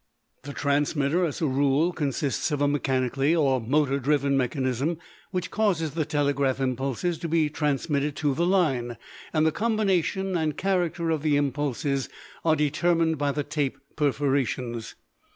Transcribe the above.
The transmitter as a rule consists of a mechanically or motor driven mechanism which causes the telegraph impulses to be transmitted to the line, and the combination and character of the impulses are determined by the tape perforations.